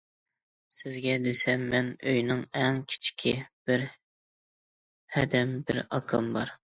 سىزگە دېسەم... مەن ئۆينىڭ ئەڭ كىچىكى، بىر ھەدەم، بىر ئاكام بار.